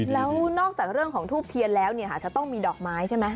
แล้วนอกจากเรื่องของทูบเทียนแล้วจะต้องมีดอกไม้ใช่ไหม